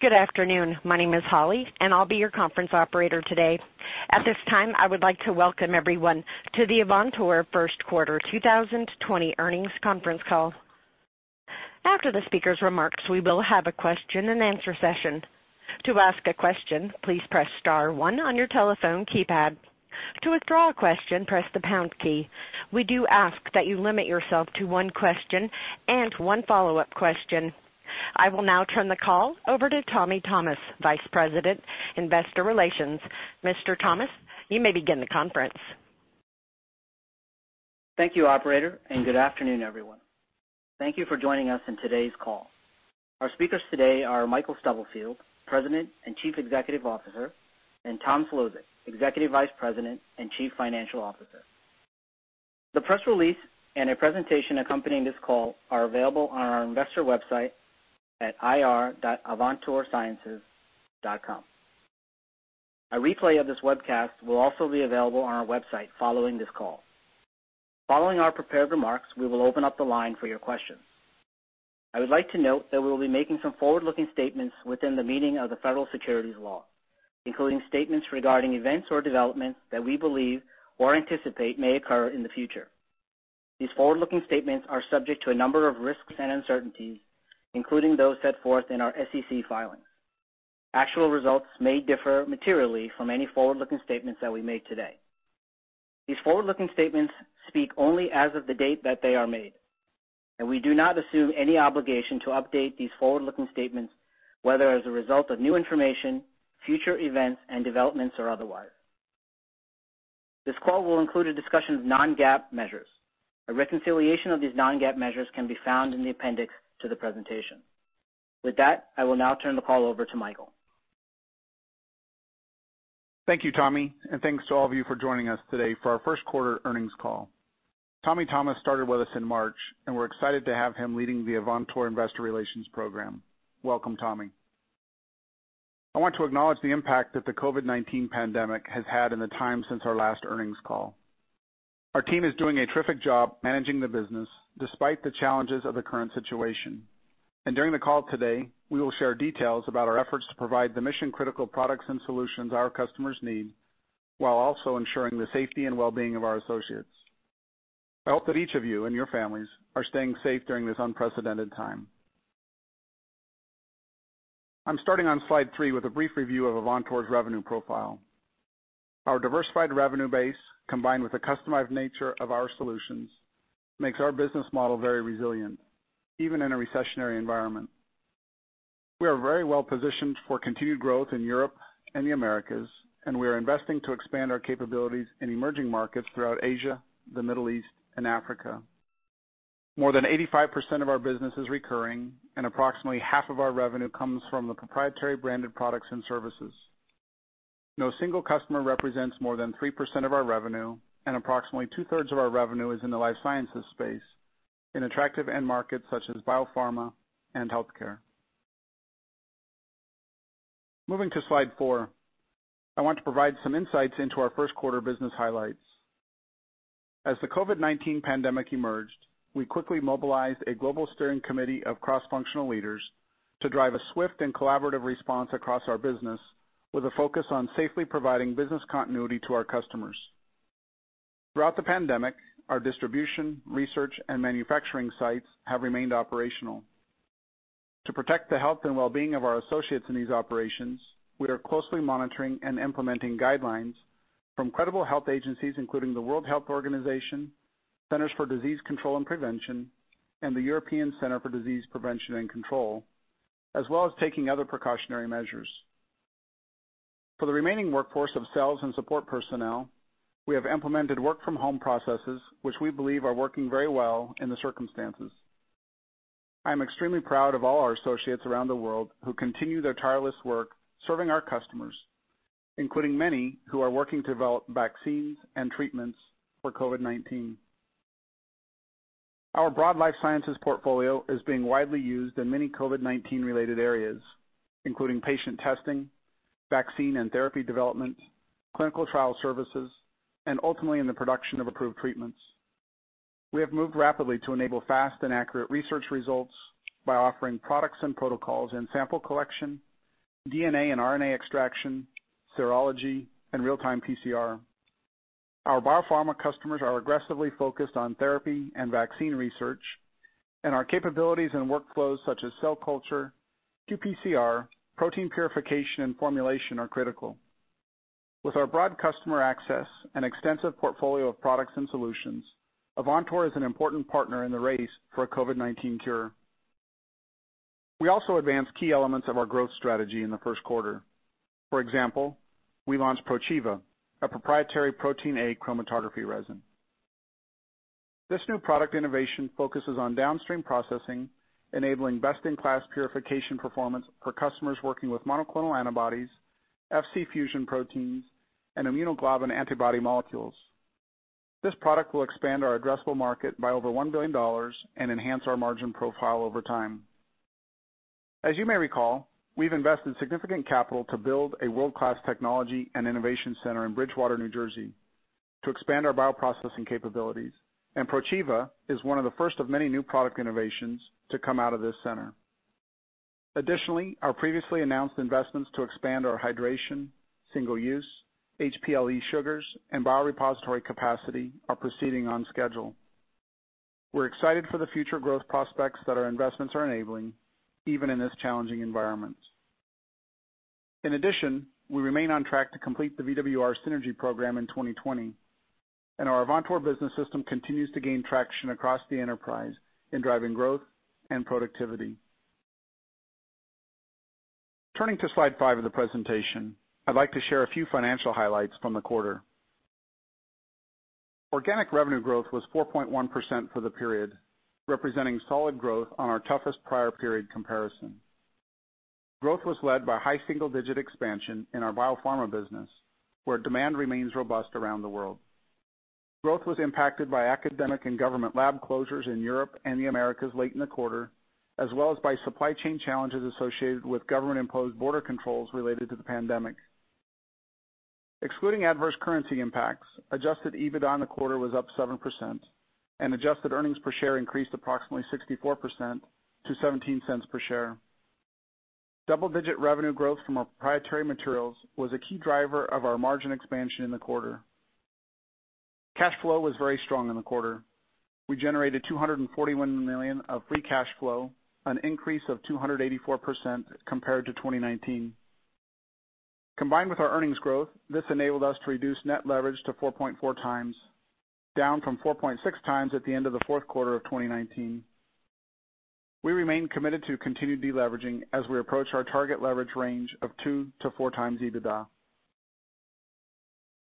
Good afternoon. My name is Holly, and I'll be your conference operator today. At this time, I would like to welcome everyone to the Avantor first quarter 2020 earnings conference call. After the speaker's remarks, we will have a question-and-answer session. To ask a question, please press star one on your telephone keypad. To withdraw a question, press the pound key. We do ask that you limit yourself to one question and one follow-up question. I will now turn the call over to Tommy Thomas, Vice President, Investor Relations. Mr. Thomas, you may begin the conference. Thank you, operator. Good afternoon, everyone. Thank you for joining us on today's call. Our speakers today are Michael Stubblefield, President and Chief Executive Officer, and Tom Szlosek, Executive Vice President and Chief Financial Officer. The press release and a presentation accompanying this call are available on our investor website at ir.avantorsciences.com. A replay of this webcast will also be available on our website following this call. Following our prepared remarks, we will open up the line for your questions. I would like to note that we will be making some forward-looking statements within the meaning of the federal securities law, including statements regarding events or developments that we believe or anticipate may occur in the future. These forward-looking statements are subject to a number of risks and uncertainties, including those set forth in our SEC filings. Actual results may differ materially from any forward-looking statements that we made today. These forward-looking statements speak only as of the date that they are made, and we do not assume any obligation to update these forward-looking statements, whether as a result of new information, future events and developments, or otherwise. This call will include a discussion of non-GAAP measures. A reconciliation of these non-GAAP measures can be found in the appendix to the presentation. With that, I will now turn the call over to Michael. Thank you, Tommy, and thanks to all of you for joining us today for our first quarter earnings call. Tommy Thomas started with us in March, and we're excited to have him leading the Avantor Investor Relations program. Welcome, Tommy. I want to acknowledge the impact that the COVID-19 pandemic has had in the time since our last earnings call. Our team is doing a terrific job managing the business despite the challenges of the current situation. During the call today, we will share details about our efforts to provide the mission-critical products and solutions our customers need, while also ensuring the safety and wellbeing of our associates. I hope that each of you and your families are staying safe during this unprecedented time. I'm starting on slide three with a brief review of Avantor's revenue profile. Our diversified revenue base, combined with the customized nature of our solutions, makes our business model very resilient, even in a recessionary environment. We are very well-positioned for continued growth in Europe and the Americas, and we are investing to expand our capabilities in emerging markets throughout Asia, the Middle East, and Africa. More than 85% of our business is recurring, and approximately half of our revenue comes from the proprietary branded products and services. No single customer represents more than 3% of our revenue, and approximately 2/3 of our revenue is in the life sciences space in attractive end markets such as biopharma and healthcare. Moving to slide four, I want to provide some insights into our first quarter business highlights. As the COVID-19 pandemic emerged, we quickly mobilized a global steering committee of cross-functional leaders to drive a swift and collaborative response across our business with a focus on safely providing business continuity to our customers. Throughout the pandemic, our distribution, research, and manufacturing sites have remained operational. To protect the health and wellbeing of our associates in these operations, we are closely monitoring and implementing guidelines from credible health agencies, including the World Health Organization, Centers for Disease Control and Prevention, and the European Centre for Disease Prevention and Control, as well as taking other precautionary measures. For the remaining workforce of sales and support personnel, we have implemented work-from-home processes, which we believe are working very well in the circumstances. I am extremely proud of all our associates around the world who continue their tireless work serving our customers, including many who are working to develop vaccines and treatments for COVID-19. Our broad life sciences portfolio is being widely used in many COVID-19 related areas, including patient testing, vaccine and therapy development, clinical trial services, and ultimately in the production of approved treatments. We have moved rapidly to enable fast and accurate research results by offering products and protocols in sample collection, DNA and RNA extraction, serology, and real-time PCR. Our biopharma customers are aggressively focused on therapy and vaccine research, and our capabilities and workflows such as cell culture, QPCR, protein purification, and formulation are critical. With our broad customer access and extensive portfolio of products and solutions, Avantor is an important partner in the race for a COVID-19 cure. We also advanced key elements of our growth strategy in the first quarter. For example, we launched PROchievA, a proprietary protein A chromatography resin. This new product innovation focuses on downstream processing, enabling best-in-class purification performance for customers working with monoclonal antibodies, Fc fusion proteins, and immunoglobulin antibody molecules. This product will expand our addressable market by over $1 billion and enhance our margin profile over time. As you may recall, we've invested significant capital to build a world-class technology and innovation center in Bridgewater, New Jersey to expand our bioprocessing capabilities. PROchievA is one of the first of many new product innovations to come out of this center. Our previously announced investments to expand our hydration, single-use, HPLC sugars, and biorepository capacity are proceeding on schedule. We're excited for the future growth prospects that our investments are enabling, even in this challenging environment. We remain on track to complete the VWR synergy program in 2020, and our Avantor Business System continues to gain traction across the enterprise in driving growth and productivity. Turning to slide five of the presentation, I'd like to share a few financial highlights from the quarter. Organic revenue growth was 4.1% for the period, representing solid growth on our toughest prior period comparison. Growth was led by high single-digit expansion in our biopharma business, where demand remains robust around the world. Growth was impacted by academic and government lab closures in Europe and the Americas late in the quarter, as well as by supply chain challenges associated with government-imposed border controls related to the pandemic. Excluding adverse currency impacts, adjusted EBITDA on the quarter was up 7%, and adjusted earnings per share increased approximately 64% to $0.17 per share. Double-digit revenue growth from our proprietary materials was a key driver of our margin expansion in the quarter. Cash flow was very strong in the quarter. We generated $241 million of free cash flow, an increase of 284% compared to 2019. Combined with our earnings growth, this enabled us to reduce net leverage to 4.4x, down from 4.6x at the end of the fourth quarter of 2019. We remain committed to continued deleveraging as we approach our target leverage range of 2x-4x EBITDA.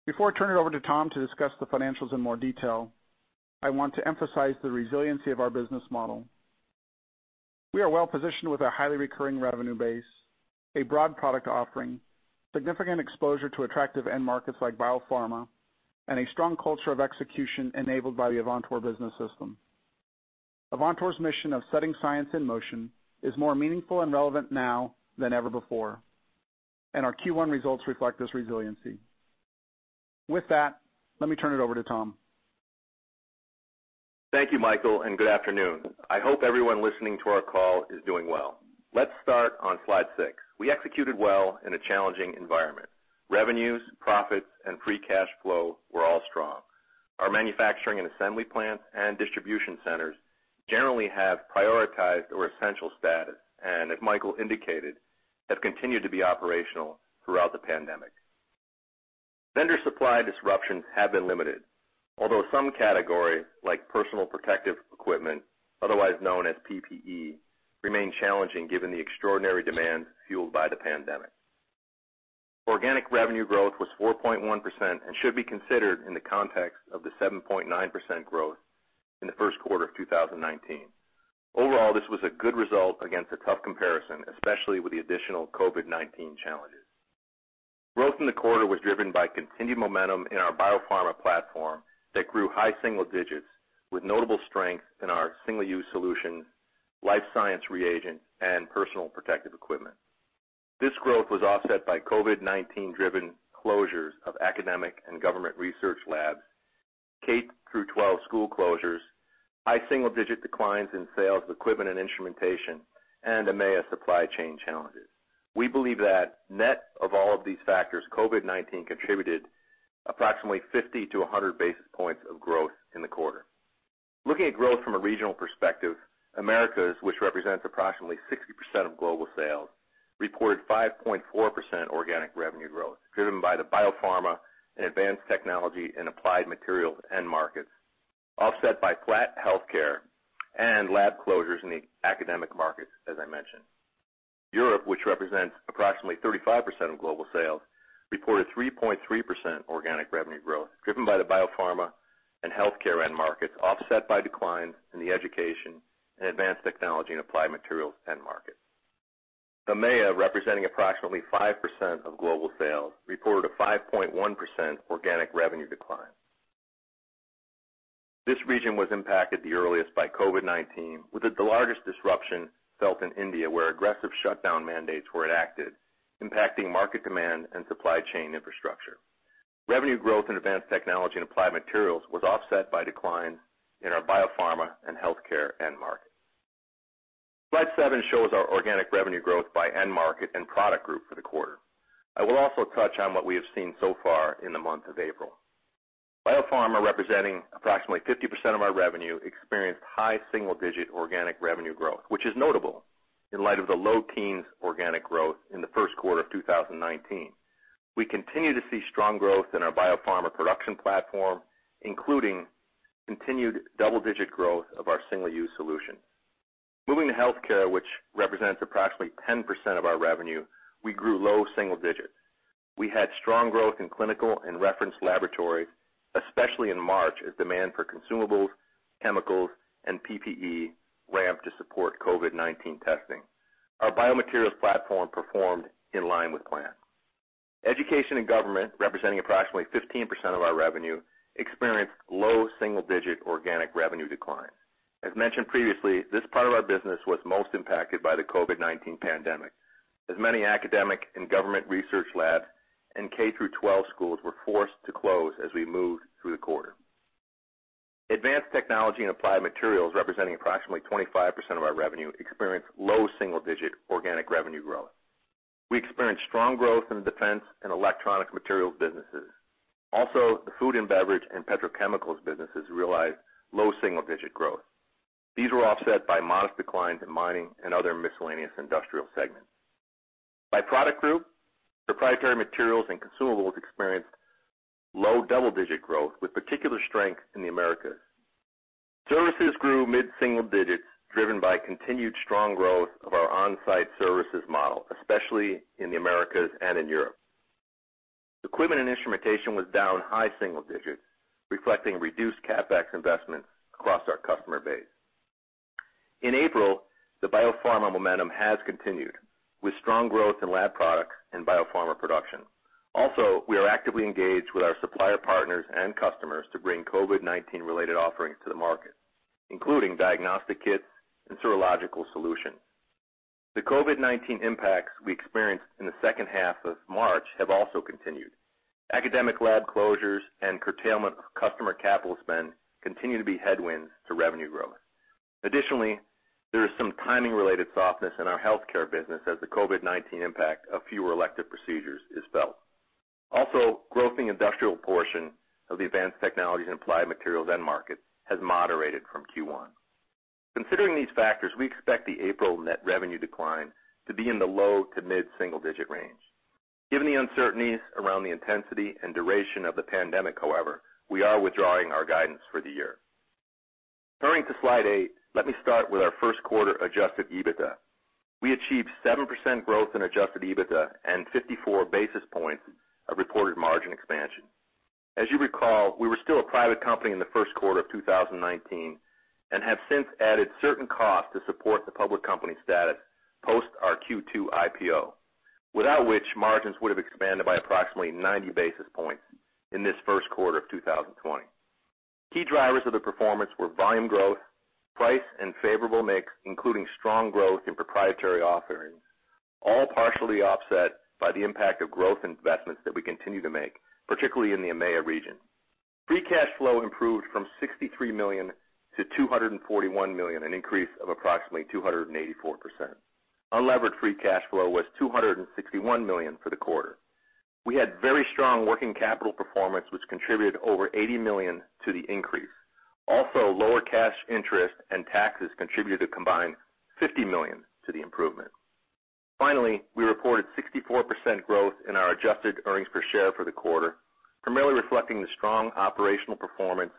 Before I turn it over to Tom to discuss the financials in more detail, I want to emphasize the resiliency of our business model. We are well positioned with a highly recurring revenue base, a broad product offering, significant exposure to attractive end markets like biopharma, and a strong culture of execution enabled by the Avantor Business System. Avantor's mission of setting science in motion is more meaningful and relevant now than ever before. Our Q1 results reflect this resiliency. With that, let me turn it over to Tom. Thank you, Michael. Good afternoon. I hope everyone listening to our call is doing well. Let's start on slide six. We executed well in a challenging environment. Revenues, profits, and free cash flow were all strong. Our manufacturing and assembly plants and distribution centers generally have prioritized or essential status and, as Michael indicated, have continued to be operational throughout the pandemic. Vendor supply disruptions have been limited, although some categories like personal protective equipment, otherwise known as PPE, remain challenging given the extraordinary demand fueled by the pandemic. Organic revenue growth was 4.1% and should be considered in the context of the 7.9% growth in the first quarter of 2019. Overall, this was a good result against a tough comparison, especially with the additional COVID-19 challenges. Growth in the quarter was driven by continued momentum in our biopharma platform that grew high single digits, with notable strength in our single-use solution, life science reagent, and personal protective equipment. This growth was offset by COVID-19-driven closures of academic and government research labs, K through 12 school closures, high single-digit declines in sales of equipment and instrumentation, and AMEA supply chain challenges. We believe that net of all of these factors, COVID-19 contributed approximately 50-100 basis points of growth in the quarter. Looking at growth from a regional perspective, Americas, which represents approximately 60% of global sales, reported 5.4% organic revenue growth, driven by the biopharma and advanced technology and applied materials end markets, offset by flat healthcare and lab closures in the academic markets, as I mentioned. Europe, which represents approximately 35% of global sales, reported 3.3% organic revenue growth, driven by the biopharma and healthcare end markets, offset by declines in the education and advanced technology and applied materials end markets. AMEA, representing approximately 5% of global sales, reported a 5.1% organic revenue decline. This region was impacted the earliest by COVID-19, with the largest disruption felt in India, where aggressive shutdown mandates were enacted, impacting market demand and supply chain infrastructure. Revenue growth in advanced technology and applied materials was offset by declines in our biopharma and healthcare end market. Slide seven shows our organic revenue growth by end market and product group for the quarter. I will also touch on what we have seen so far in the month of April. Biopharma, representing approximately 50% of our revenue, experienced high single-digit organic revenue growth, which is notable in light of the low teens organic growth in the first quarter of 2019. We continue to see strong growth in our biopharma production platform, including continued double-digit growth of our single-use solution. Moving to healthcare, which represents approximately 10% of our revenue, we grew low single digits. We had strong growth in clinical and reference laboratory, especially in March, as demand for consumables, chemicals, and PPE ramped to support COVID-19 testing. Our biomaterials platform performed in line with plan. Education and government, representing approximately 15% of our revenue, experienced low double-digit organic revenue decline. As mentioned previously, this part of our business was most impacted by the COVID-19 pandemic, as many academic and government research labs and K through 12 schools were forced to close as we moved through the quarter. Advanced technology and applied materials, representing approximately 25% of our revenue, experienced low single-digit organic revenue growth. We experienced strong growth in the defense and electronic materials businesses. The food and beverage and petrochemicals businesses realized low single-digit growth. These were offset by modest declines in mining and other miscellaneous industrial segments. By product group, proprietary materials and consumables experienced low double-digit growth, with particular strength in the Americas. Services grew mid-single digits, driven by continued strong growth of our on-site services model, especially in the Americas and in Europe. Equipment and instrumentation was down high single digits, reflecting reduced CapEx investment across our customer base. In April, the biopharma momentum has continued, with strong growth in lab products and biopharma production. We are actively engaged with our supplier partners and customers to bring COVID-19 related offerings to the market, including diagnostic kits and serological solutions. The COVID-19 impacts we experienced in the second half of March have also continued. Academic lab closures and curtailment of customer capital spend continue to be headwinds to revenue growth. Additionally, there is some timing-related softness in our healthcare business as the COVID-19 impact of fewer elective procedures is felt. Also, growth in the industrial portion of the advanced technologies and applied materials end market has moderated from Q1. Considering these factors, we expect the April net revenue decline to be in the low to mid-single digit range. Given the uncertainties around the intensity and duration of the pandemic, however, we are withdrawing our guidance for the year. Turning to slide eight, let me start with our first quarter adjusted EBITDA. We achieved 7% growth in adjusted EBITDA and 54 basis points of reported margin expansion. As you recall, we were still a private company in the first quarter of 2019 and have since added certain costs to support the public company status post our Q2 IPO, without which margins would have expanded by approximately 90 basis points in this first quarter of 2020. Key drivers of the performance were volume growth, price, and favorable mix, including strong growth in proprietary offerings, all partially offset by the impact of growth investments that we continue to make, particularly in the AMEA region. Free cash flow improved from $63 million to $241 million, an increase of approximately 284%. Unlevered free cash flow was $261 million for the quarter. We had very strong working capital performance, which contributed over $80 million to the increase. Lower cash interest and taxes contributed a combined $50 million to the improvement. Finally, we reported 64% growth in our adjusted earnings per share for the quarter, primarily reflecting the strong operational performance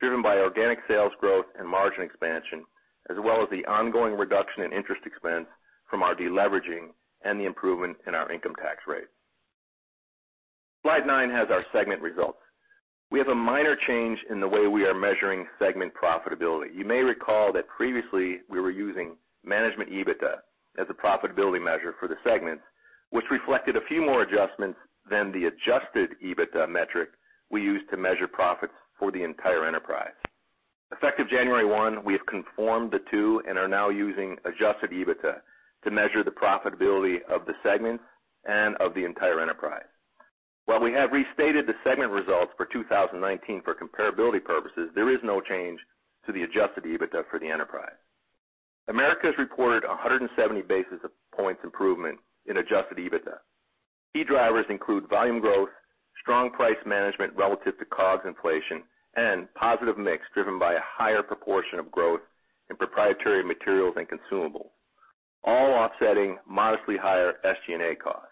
driven by organic sales growth and margin expansion, as well as the ongoing reduction in interest expense from our deleveraging and the improvement in our income tax rate. Slide nine has our segment results. We have a minor change in the way we are measuring segment profitability. You may recall that previously we were using management EBITDA as a profitability measure for the segments, which reflected a few more adjustments than the adjusted EBITDA metric we use to measure profits for the entire enterprise. Effective January 1, we have conformed the two and are now using adjusted EBITDA to measure the profitability of the segment and of the entire enterprise. While we have restated the segment results for 2019 for comparability purposes, there is no change to the adjusted EBITDA for the enterprise. Americas reported a 170 basis points improvement in adjusted EBITDA. Key drivers include volume growth, strong price management relative to COGS inflation, and positive mix driven by a higher proportion of growth in proprietary materials and consumables, all offsetting modestly higher SG&A costs.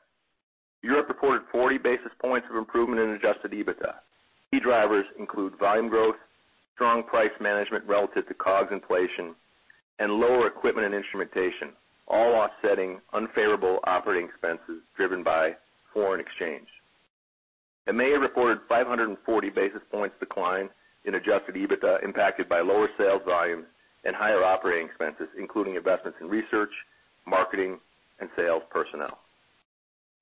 Europe reported 40 basis points of improvement in adjusted EBITDA. Key drivers include volume growth, strong price management relative to COGS inflation, and lower equipment and instrumentation, all offsetting unfavorable operating expenses driven by foreign exchange. AMEA reported 540 basis points decline in adjusted EBITDA impacted by lower sales volumes and higher operating expenses, including investments in research, marketing, and sales personnel.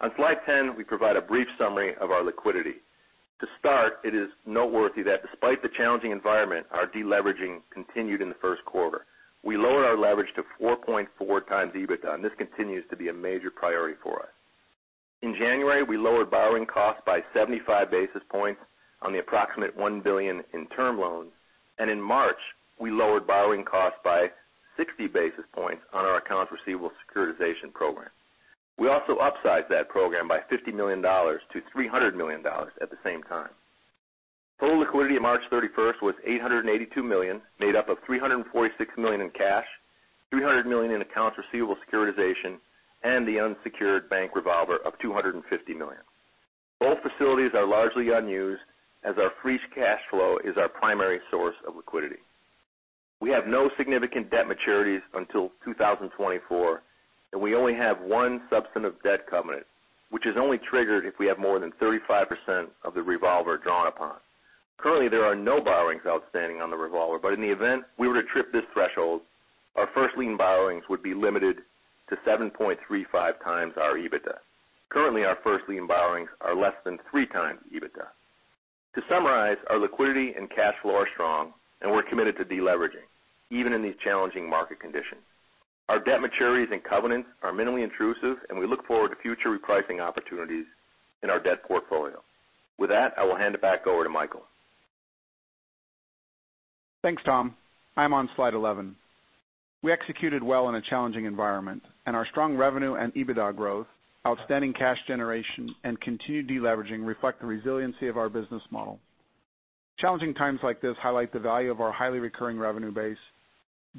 On slide 10, we provide a brief summary of our liquidity. To start, it is noteworthy that despite the challenging environment, our deleveraging continued in the first quarter. We lowered our leverage to 4.4x EBITDA, and this continues to be a major priority for us. In January, we lowered borrowing costs by 75 basis points on the approximate $1 billion in term loans, and in March, we lowered borrowing costs by 60 basis points on our accounts receivable securitization program. We also upsized that program by $50 million to $300 million at the same time. Total liquidity at March 31st was $882 million, made up of $346 million in cash, $300 million in accounts receivable securitization, and the unsecured bank revolver of $250 million. Both facilities are largely unused, as our free cash flow is our primary source of liquidity. We have no significant debt maturities until 2024, and we only have one substantive debt covenant, which is only triggered if we have more than 35% of the revolver drawn upon. Currently, there are no borrowings outstanding on the revolver. By any event, we retreat this threshold. Our first lien borrowings would be limited to 7.35x our EBITDA. Currently, our first lien borrowings are less than 3x EBITDA. To summarize, our liquidity and cash flow are strong, and we're committed to de-leveraging, even in these challenging market conditions. Our debt maturities and covenants are minimally intrusive, and we look forward to future repricing opportunities in our debt portfolio. With that, I will hand it back over to Michael. Thanks, Tom. I'm on slide 11. We executed well in a challenging environment, and our strong revenue and EBITDA growth, outstanding cash generation, and continued de-leveraging reflect the resiliency of our business model. Challenging times like this highlight the value of our highly recurring revenue base,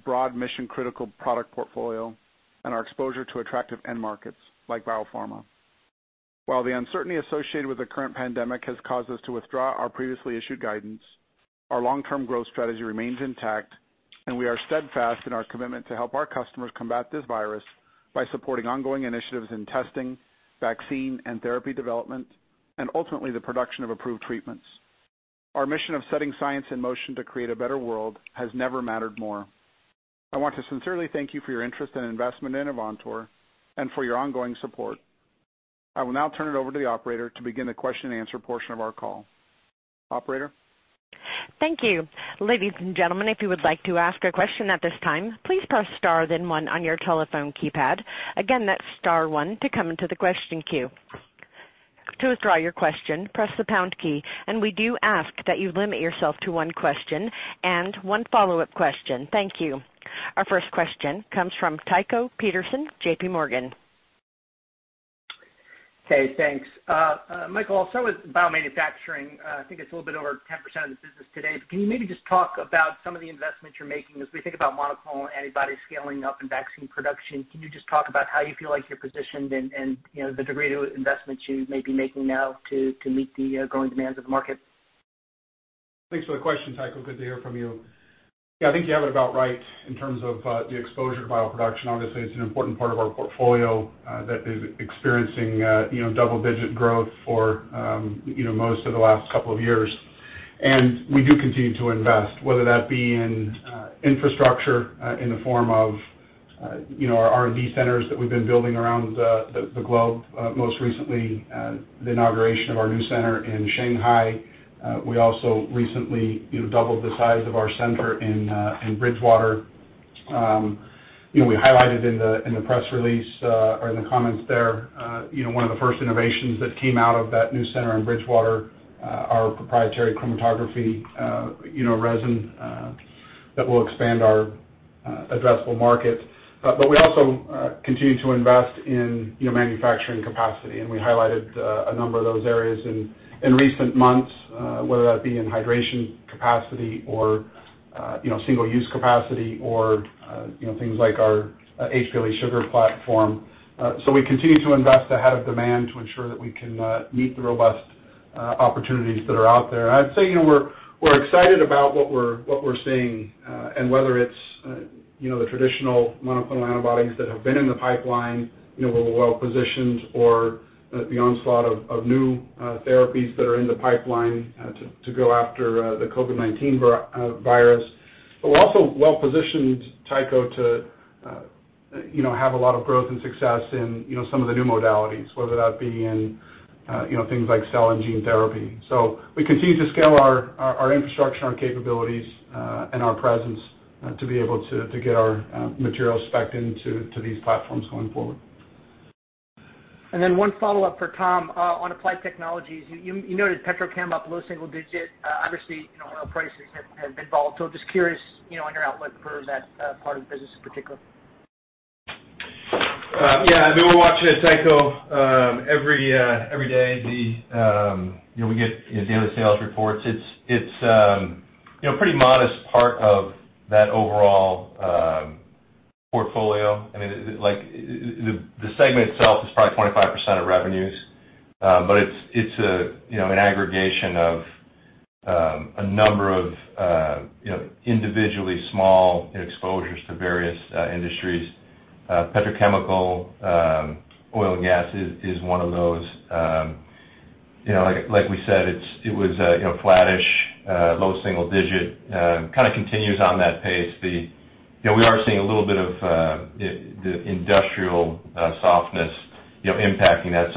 broad mission-critical product portfolio, and our exposure to attractive end markets like biopharma. While the uncertainty associated with the current pandemic has caused us to withdraw our previously issued guidance, our long-term growth strategy remains intact, and we are steadfast in our commitment to help our customers combat this virus by supporting ongoing initiatives in testing, vaccine, and therapy development, and ultimately the production of approved treatments. Our mission of setting science in motion to create a better world has never mattered more. I want to sincerely thank you for your interest and investment in Avantor and for your ongoing support. I will now turn it over to the operator to begin the question and answer portion of our call. Operator? Thank you. Ladies and gentlemen, if you would like to ask a question at this time, please press star then one on your telephone keypad. Again, that's star one to come into the question queue. To withdraw your question, press the pound key. We do ask that you limit yourself to one question and one follow-up question. Thank you. Our first question comes from Tycho Peterson, JPMorgan. Okay, thanks. Michael. With bio-manufacturing, I think it's a little bit over 10% of the business today. Can you maybe just talk about some of the investments you're making as we think about monoclonal antibody scaling up and vaccine production? Can you just talk about how you feel like you're positioned and the degree to investments you may be making now to meet the growing demands of the market? Thanks for the question, Tycho. Good to hear from you. Yeah, I think you have it about right in terms of the exposure to bioproduction. Obviously, it's an important part of our portfolio that is experiencing double-digit growth for most of the last couple of years. We do continue to invest, whether that be in infrastructure in the form of our R&D centers that we've been building around the globe, most recently the inauguration of our new center in Shanghai. We also recently doubled the size of our center in Bridgewater. We highlighted in the press release or in the comments there one of the first innovations that came out of that new center in Bridgewater, our proprietary chromatography resin that will expand our addressable market. We also continue to invest in manufacturing capacity, and we highlighted a number of those areas in recent months, whether that be in hydration capacity or single-use capacity or things like our HPLC sugar platform. We continue to invest ahead of demand to ensure that we can meet the robust opportunities that are out there. I'd say we're excited about what we're seeing and whether it's the traditional monoclonal antibodies that have been in the pipeline, we're well-positioned or the onslaught of new therapies that are in the pipeline to go after the COVID-19 virus. We're also well-positioned, Tycho, to have a lot of growth and success in some of the new modalities, whether that be in things like cell and gene therapy. We continue to scale our infrastructure, our capabilities, and our presence to be able to get our materials specced into these platforms going forward. One follow-up for Tom on Applied Technologies. You noted petrochemical up low single digit. Obviously, oil prices have been volatile. Just curious on your outlook for that part of the business in particular? Yeah, we're watching it, Tycho, every day. We get daily sales reports. It's pretty modest part of that overall portfolio. The segment itself is probably 25% of revenues, but it's an aggregation of a number of individually small exposures to various industries. Petrochemical oil and gas is one of those. Like we said, it was flattish, low single digit, kind of continues on that pace. We are seeing a little bit of the industrial softness impacting that.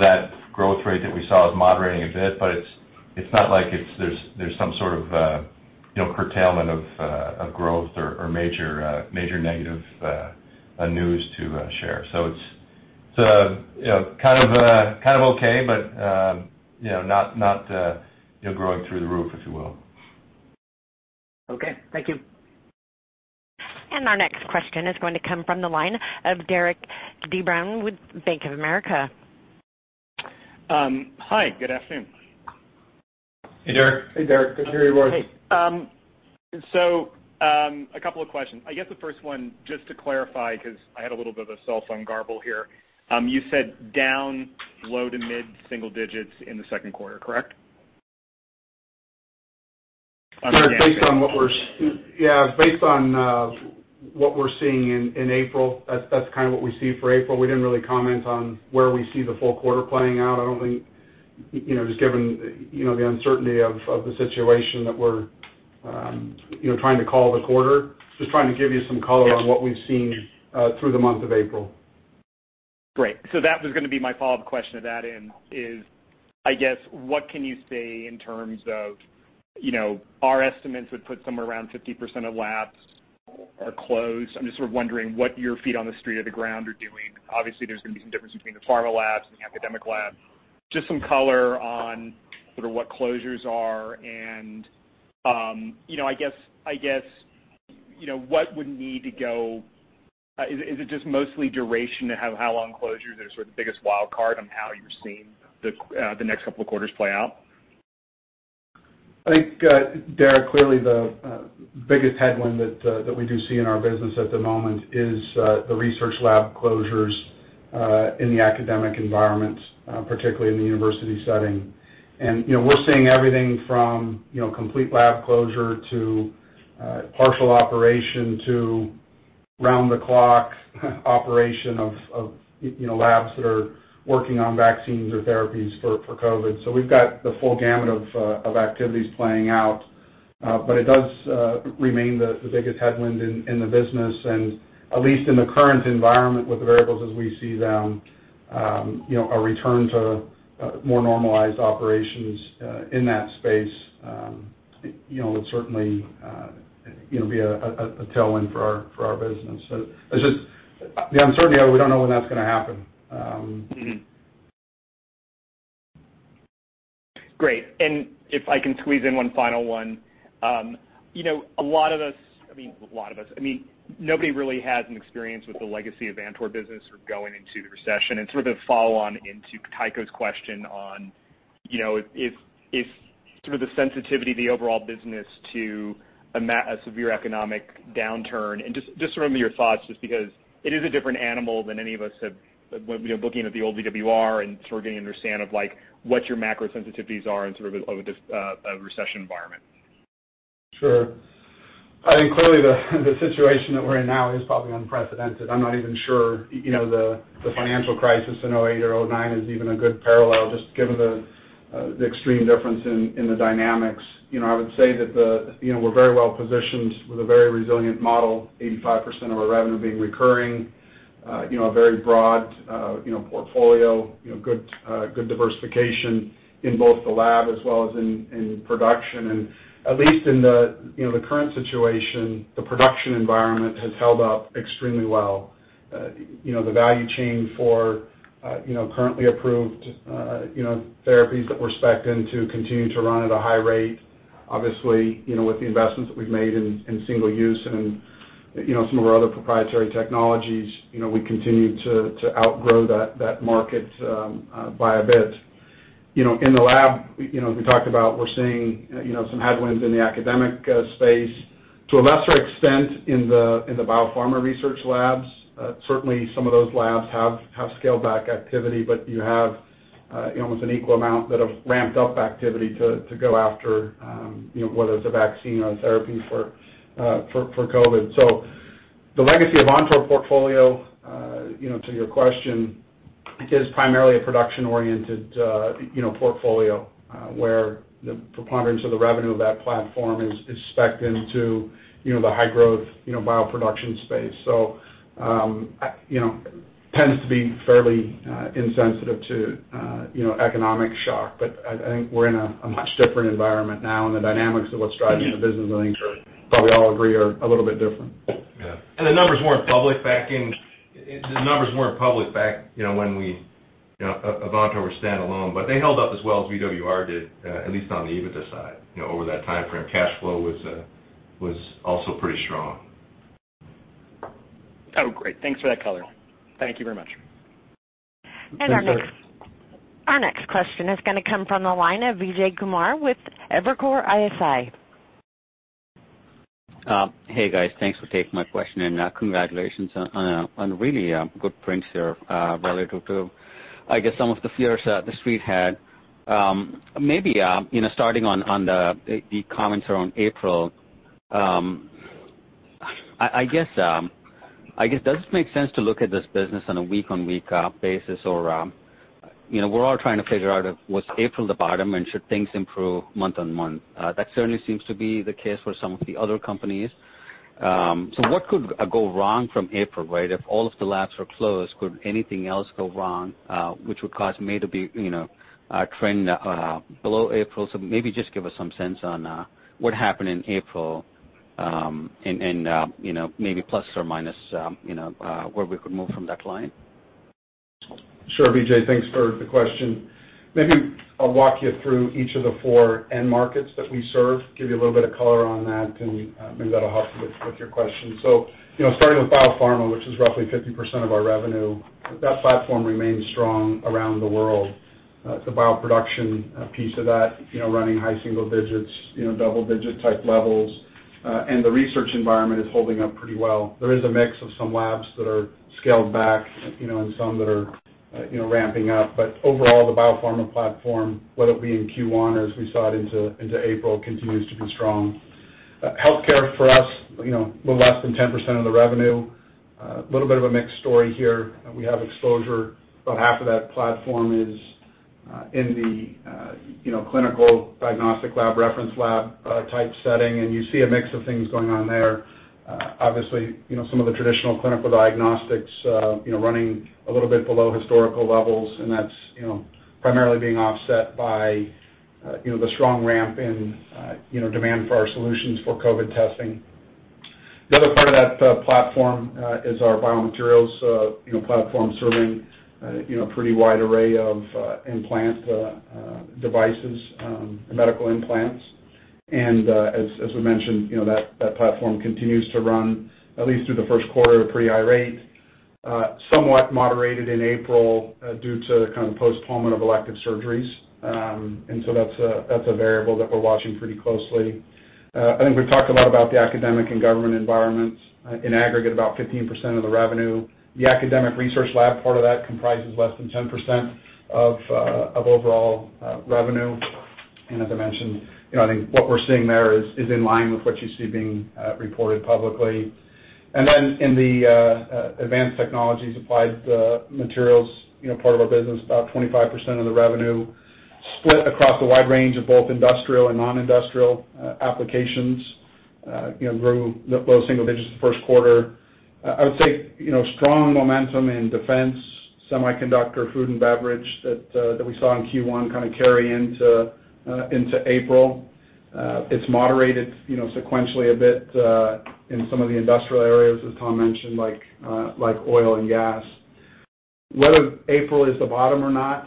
That growth rate that we saw is moderating a bit, but it's not like there's some sort of curtailment of growth or major negative news to share. It's kind of okay, but not growing through the roof, if you will. Okay. Thank you. Our next question is going to come from the line of Derik De Bruin with Bank of America. Hi, good afternoon. Hey, Derik. Hey, Derik. Good to hear your voice. Hey. A couple of questions. I guess the first one, just to clarify, because I had a little bit of a cell phone garble here. You said down low to mid-single digits in the second quarter, correct? Yeah, based on what we're seeing in April, that's kind of what we see for April. We didn't really comment on where we see the full quarter playing out. Just given the uncertainty of the situation that we're trying to call the quarter, just trying to give you some color on what we've seen through the month of April. Great. That was going to be my follow-up question to that, I guess, what can you say in terms of our estimates would put somewhere around 50% of labs are closed. I'm just sort of wondering what your feet on the street or the ground are doing. Obviously, there's going to be some difference between the pharma labs and the academic labs. Just some color on sort of what closures are and, I guess, what would need to go? Is it just mostly duration of how long closures are sort of the biggest wildcard on how you're seeing the next couple of quarters play out? I think, Derik, clearly the biggest headwind that we do see in our business at the moment is the research lab closures, in the academic environments, particularly in the university setting. We're seeing everything from complete lab closure to partial operation to around the clock operation of labs that are working on vaccines or therapies for COVID-19. We've got the full gamut of activities playing out. It does remain the biggest headwind in the business and at least in the current environment with the variables as we see them, a return to more normalized operations, in that space would certainly be a tailwind for our business. The uncertainty of we don't know when that's going to happen. Great. If I can squeeze in one final one. A lot of us, I mean, nobody really has an experience with the legacy of Avantor business or going into the recession and sort of a follow-on into Tycho's question on if sort of the sensitivity of the overall business to a severe economic downturn and just remember your thoughts, just because it is a different animal than any of us have, looking at the old VWR and sort of getting an understand of like what your macro sensitivities are in sort of a recession environment. Sure. I think clearly the situation that we're in now is probably unprecedented. I'm not even sure the financial crisis in 2008 or 2009 is even a good parallel, just given the extreme difference in the dynamics. I would say that we're very well positioned with a very resilient model, 85% of our revenue being recurring. A very broad portfolio, good diversification in both the lab as well as in production and at least in the current situation, the production environment has held up extremely well. The value chain for currently approved therapies that we're specced into continue to run at a high rate. Obviously, with the investments that we've made in single-use and some of our other proprietary technologies, we continue to outgrow that market by a bit. In the lab, as we talked about, we're seeing some headwinds in the academic space to a lesser extent in the biopharma research labs. Certainly, some of those labs have scaled back activity, you have almost an equal amount that have ramped up activity to go after, whether it's a vaccine or a therapy for COVID. The legacy Avantor portfolio, to your question, is primarily a production-oriented portfolio, where the preponderance of the revenue of that platform is specced into the high growth bioproduction space. Tends to be fairly insensitive to economic shock. I think we're in a much different environment now, and the dynamics of what's driving the business, I think, are probably all agree, are a little bit different. Yeah. The numbers weren't public back when Avantor was standalone, but they held up as well as VWR did, at least on the EBITDA side over that time frame. Cash flow was also pretty strong. Oh, great. Thanks for that color. Thank you very much. Our next question is going to come from the line of Vijay Kumar with Evercore ISI. Hey, guys. Thanks for taking my question. Congratulations on really good prints here, relative to, I guess, some of the fears the Street had. Maybe starting on the comments around April, I guess, does it make sense to look at this business on a week-on-week basis? We're all trying to figure out if was April the bottom and should things improve month-on-month? That certainly seems to be the case for some of the other companies. What could go wrong from April, right? If all of the labs were closed, could anything else go wrong, which would cause me to be trend below April? Maybe just give us some sense on what happened in April, and maybe plus or minus where we could move from that line. Sure, Vijay. Thanks for the question. Maybe I'll walk you through each of the four end markets that we serve, give you a little bit of color on that, and maybe that'll help with your question. Starting with biopharma, which is roughly 50% of our revenue, that platform remains strong around the world. The bioproduction piece of that running high single digits, double digit type levels. The research environment is holding up pretty well. There is a mix of some labs that are scaled back and some that are ramping up. Overall, the biopharma platform, whether it be in Q1 or as we saw it into April, continues to be strong. Healthcare for us, a little less than 10% of the revenue. A little bit of a mixed story here. We have exposure, about half of that platform is in the clinical diagnostic lab, reference lab type setting, and you see a mix of things going on there. Obviously, some of the traditional clinical diagnostics, running a little bit below historical levels, and that's primarily being offset by the strong ramp in demand for our solutions for COVID testing. The other part of that platform is our biomaterials platform serving a pretty wide array of implant devices, medical implants. As we mentioned, that platform continues to run at least through the first quarter at a pretty high rate. Somewhat moderated in April, due to kind of postponement of elective surgeries. That's a variable that we're watching pretty closely. I think we've talked a lot about the academic and government environments. In aggregate, about 15% of the revenue. The academic research lab part of that comprises less than 10% of overall revenue. As I mentioned, I think what we're seeing there is in line with what you see being reported publicly. In the advanced technologies applied materials part of our business, about 25% of the revenue split across a wide range of both industrial and non-industrial applications, grew low single digits the first quarter. I would say, strong momentum in defense, semiconductor, food and beverage that we saw in Q1 kind of carry into April. It's moderated sequentially a bit, in some of the industrial areas, as Tom mentioned, like oil and gas. Whether April is the bottom or not,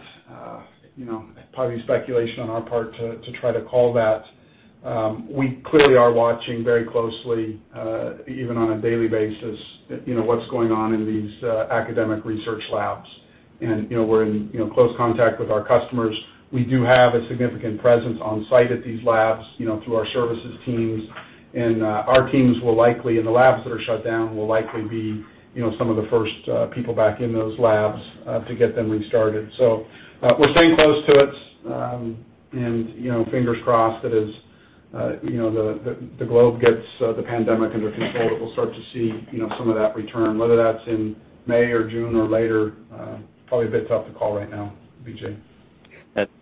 probably speculation on our part to try to call that. We clearly are watching very closely, even on a daily basis, what's going on in these academic research labs. We're in close contact with our customers. We do have a significant presence on site at these labs, through our services teams. Our teams, in the labs that are shut down, will likely be some of the first people back in those labs, to get them restarted. We're staying close to it, and fingers crossed that as the globe gets the pandemic under control, that we'll start to see some of that return, whether that's in May or June or later, probably a bit tough to call right now, Vijay.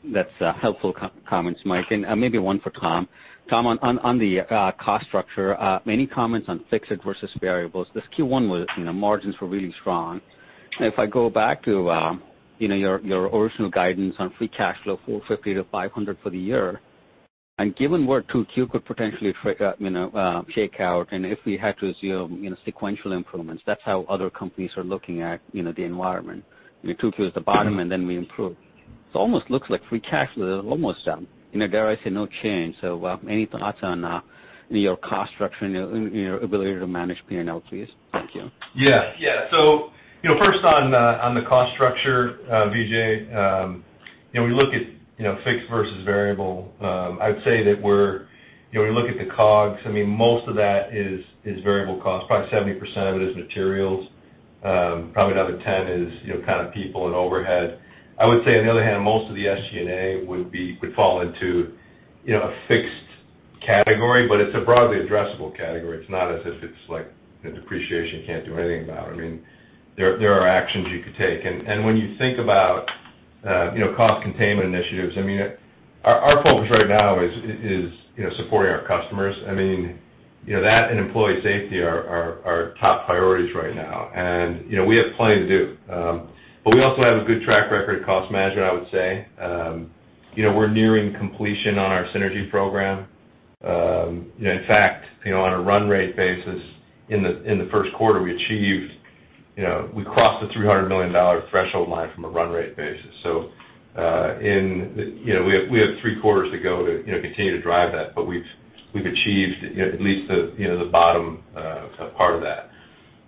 That's helpful comments, Mike, and maybe one for Tom. Tom, on the cost structure, any comments on fixed versus variables? This Q1 was, margins were really strong. If I go back to your original guidance on free cash flow, $450 million-$500 million for the year, and given where 2Q could potentially shake out, and if we had to assume sequential improvements, that's how other companies are looking at the environment. 2Q is the bottom, and then we improve. It almost looks like free cash is almost down. Dare I say no change. Any thoughts on your cost structure and your ability to manage P&L, please? Thank you. First on the cost structure, Vijay, we look at fixed versus variable. I'd say that when you look at the COGS, most of that is variable cost. Probably 70% of it is materials. Probably another 10% is people and overhead. I would say on the other hand, most of the SG&A would fall into a fixed category, but it's a broadly addressable category. It's not as if it's like depreciation, can't do anything about. There are actions you could take. When you think about cost containment initiatives, our focus right now is supporting our customers. That and employee safety are our top priorities right now. We have plenty to do. We also have a good track record of cost management, I would say. We're nearing completion on our synergy program. In fact, on a run rate basis in the first quarter we achieved, we crossed the $300 million threshold line from a run rate basis. We have three quarters to go to continue to drive that, but we've achieved at least the bottom part of that.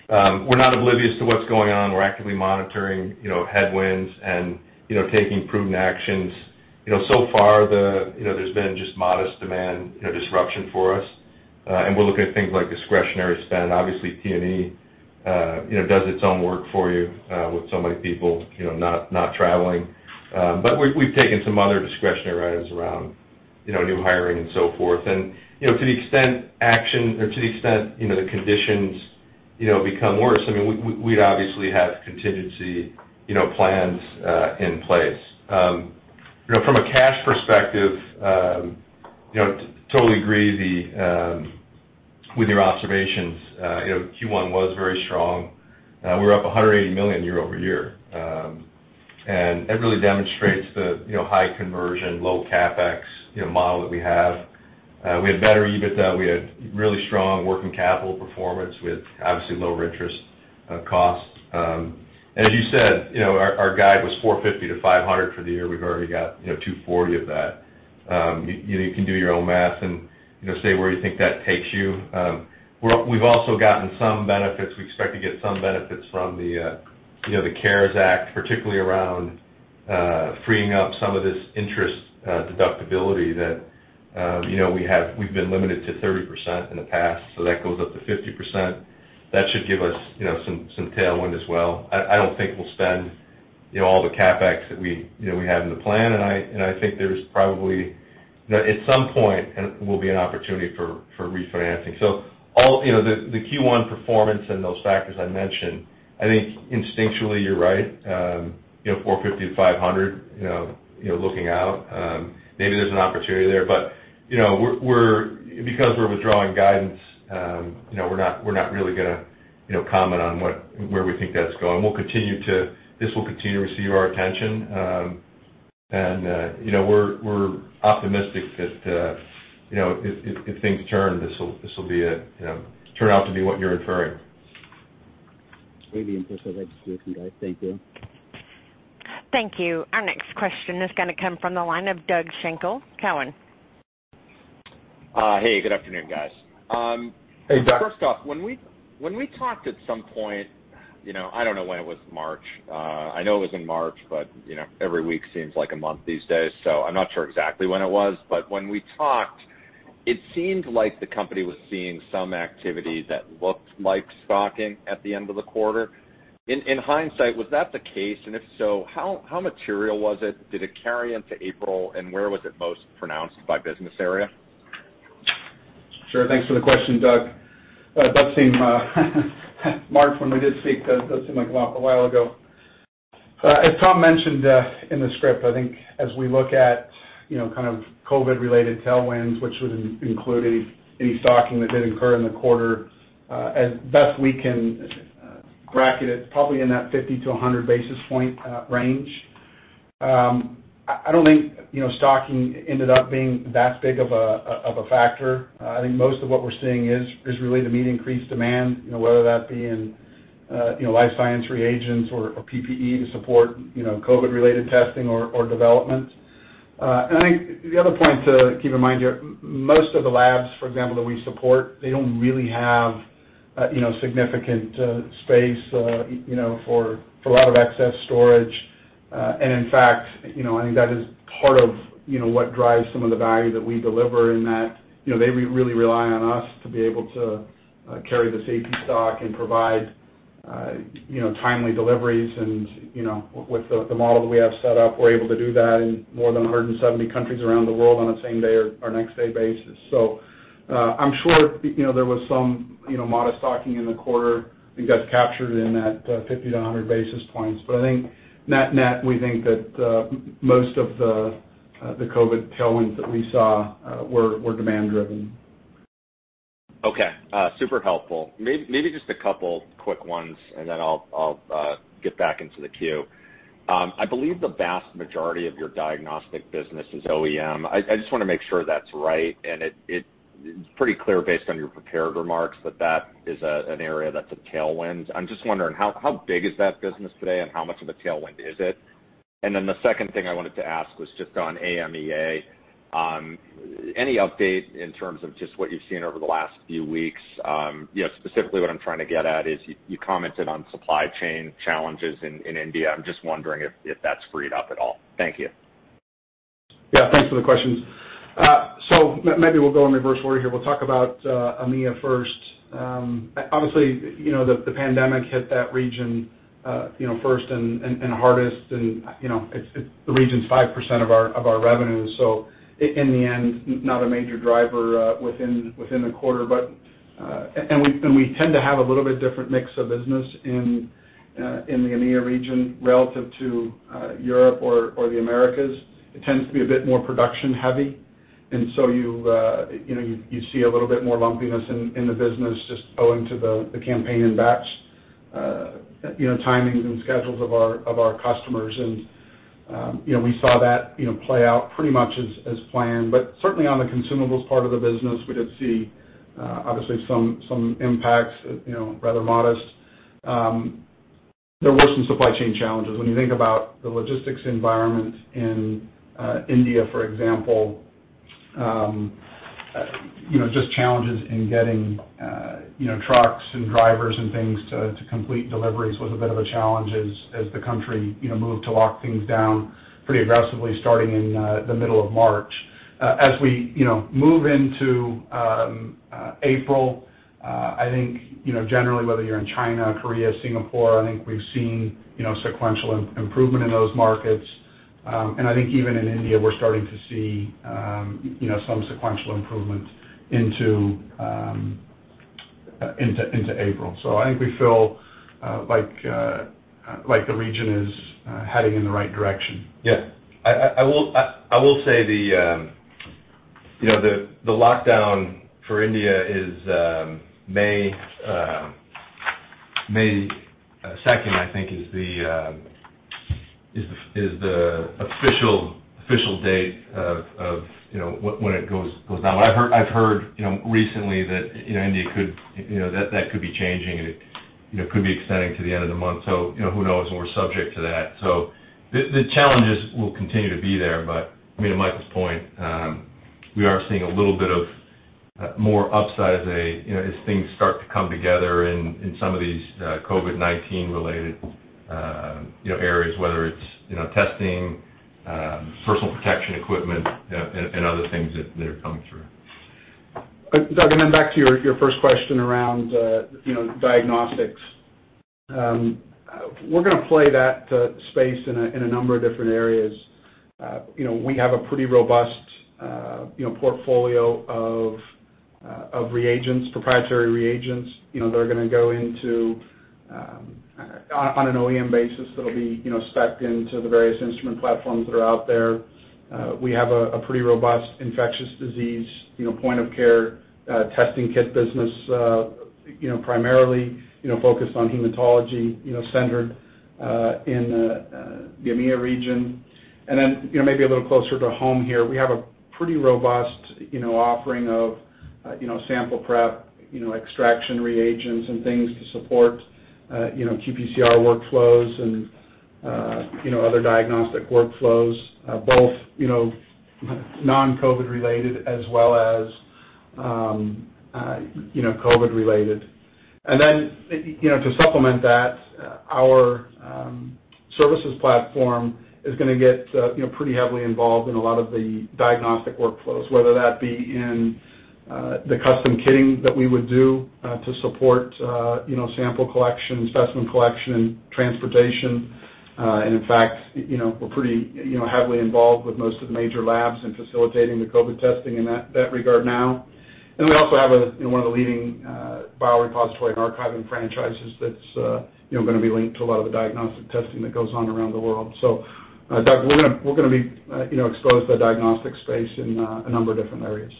We're not oblivious to what's going on. We're actively monitoring headwinds and taking prudent actions. So far there's been just modest demand disruption for us. We're looking at things like discretionary spend. Obviously, T&E does its own work for you, with so many people not traveling. We've taken some other discretionary items around new hiring and so forth. To the extent the conditions become worse, we'd obviously have contingency plans in place. From a cash perspective, totally agree with your observations. Q1 was very strong. We were up $180 million year-over-year. It really demonstrates the high conversion, low CapEx model that we have. We had better EBITDA. We had really strong working capital performance with obviously lower interest costs. As you said, our guide was $450 million-$500 million for the year. We've already got $240 million of that. You can do your own math and say where you think that takes you. We've also gotten some benefits. We expect to get some benefits from the CARES Act, particularly around freeing up some of this interest deductibility that we've been limited to 30% in the past, so that goes up to 50%. That should give us some tailwind as well. I don't think we'll stand all the CapEx that we have in the plan, I think there's probably, at some point, will be an opportunity for refinancing. The Q1 performance and those factors I mentioned, I think instinctually, you're right. $450 million-$500 million, looking out, maybe there's an opportunity there. Because we're withdrawing guidance, we're not really going to comment on where we think that's going. This will continue to receive our attention, and we're optimistic that, if things turn, this will turn out to be what you're inferring. Really impressive registration, guys. Thank you. Thank you. Our next question is going to come from the line of Doug Schenkel, Cowen. Hey, good afternoon, guys. Hey, Doug. First off, when we talked at some point, I don't know when it was March. I know it was in March, but every week seems like a month these days, so I'm not sure exactly when it was, but when we talked, it seemed like the company was seeing some activity that looked like stocking at the end of the quarter. In hindsight, was that the case? If so, how material was it? Did it carry into April, and where was it most pronounced by business area? Sure. Thanks for the question, Doug. March, when we did speak, does seem like a while ago. As Tom mentioned in the script, I think as we look at kind of COVID related tailwinds, which would include any stocking that did occur in the quarter, as best we can bracket it, probably in that 50-100 basis point range. I don't think stocking ended up being that big of a factor. I think most of what we're seeing is related to meeting increased demand, whether that be in life science reagents or PPE to support COVID related testing or development. I think the other point to keep in mind here, most of the labs, for example, that we support, they don't really have significant space for a lot of excess storage. In fact, I think that is part of what drives some of the value that we deliver in that they really rely on us to be able to carry the safety stock and provide timely deliveries. With the model that we have set up, we're able to do that in more than 170 countries around the world on a same day or next day basis. I'm sure there was some modest stocking in the quarter that got captured in that 50-100 basis points. I think net-net, we think that most of the COVID tailwinds that we saw were demand driven. Okay. Super helpful. Maybe just a couple quick ones, and then I'll get back into the queue. I believe the vast majority of your diagnostic business is OEM. I just want to make sure that's right, and it's pretty clear based on your prepared remarks that that is an area that's a tailwind. I'm just wondering, how big is that business today, and how much of a tailwind is it? The second thing I wanted to ask was just on AMEA. Any update in terms of just what you've seen over the last few weeks? Specifically what I'm trying to get at is, you commented on supply chain challenges in India. I'm just wondering if that's freed up at all. Thank you. Thanks for the questions. Maybe we'll go in reverse order here. We'll talk about AMEA first. Honestly, the pandemic hit that region first and hardest. The region's 5% of our revenue, in the end, not a major driver within the quarter. We tend to have a little bit different mix of business in the AMEA region relative to Europe or the Americas. It tends to be a bit more production heavy. You see a little bit more lumpiness in the business, just owing to the campaign and batch timings and schedules of our customers. We saw that play out pretty much as planned. Certainly on the consumables part of the business, we did see, obviously, some impacts, rather modest. There were some supply chain challenges. When you think about the logistics environment in India, for example, just challenges in getting trucks and drivers and things to complete deliveries was a bit of a challenge as the country moved to lock things down pretty aggressively starting in the middle of March. As we move into April, I think generally, whether you're in China, Korea, Singapore, I think we've seen sequential improvement in those markets. I think even in India, we're starting to see some sequential improvement into April. I think we feel like the region is heading in the right direction. Yeah. I will say the lockdown for India is May 2nd, I think, is the official date of when it goes down. I've heard recently that India could be changing, and it could be extending to the end of the month. Who knows, and we're subject to that. The challenges will continue to be there. To Michael's point, we are seeing a little bit of more upside as things start to come together in some of these COVID-19 related areas, whether it's testing, personal protection equipment, and other things that are coming through. Doug, then back to your first question around diagnostics. We're going to play that space in a number of different areas. We have a pretty robust portfolio of proprietary reagents that are going to go on an OEM basis, that'll be specced into the various instrument platforms that are out there. We have a pretty robust infectious disease point of care testing kit business primarily focused on hematology centered in the AMEA region. Then maybe a little closer to home here, we have a pretty robust offering of sample prep, extraction reagents, and things to support qPCR workflows and other diagnostic workflows, both non-COVID related as well as COVID related. To supplement that, our services platform is going to get pretty heavily involved in a lot of the diagnostic workflows, whether that be in the custom kitting that we would do to support sample collection, specimen collection, transportation. In fact, we're pretty heavily involved with most of the major labs in facilitating the COVID testing in that regard now. We also have one of the leading biorepository and archiving franchises that's going to be linked to a lot of the diagnostic testing that goes on around the world. Doug, we're going to be exposed to the diagnostic space in a number of different areas.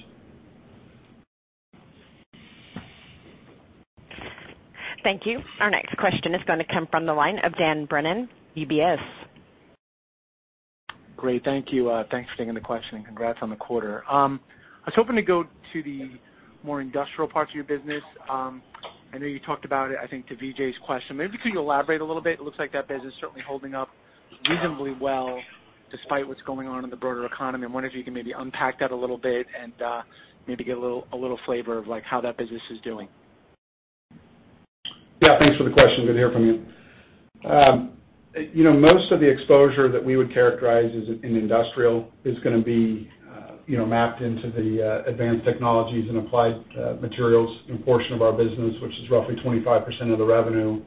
Thank you. Our next question is going to come from the line of Dan Brennan, UBS. Great. Thank you. Thanks for taking the question, and congrats on the quarter. I was hoping to go to the more industrial parts of your business. I know you talked about it, I think, to Vijay's question. Maybe could you elaborate a little bit? It looks like that business is certainly holding up reasonably well despite what's going on in the broader economy. I'm wondering if you can maybe unpack that a little bit and maybe get a little flavor of how that business is doing. Thanks for the question. Good to hear from you. Most of the exposure that we would characterize as in industrial is going to be mapped into the advanced technologies and applied materials portion of our business, which is roughly 25% of the revenue.